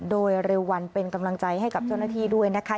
โดยเร็ววันเป็นกำลังใจให้กับเจ้าหน้าที่ด้วยนะคะ